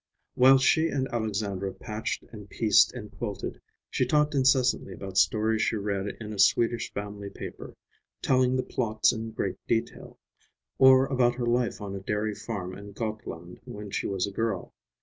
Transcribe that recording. While she and Alexandra patched and pieced and quilted, she talked incessantly about stories she read in a Swedish family paper, telling the plots in great detail; or about her life on a dairy farm in Gottland when she was a girl.